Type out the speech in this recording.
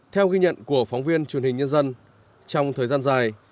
theo ghi nhận của phóng viên truyền hình nhân dân trong thời gian dài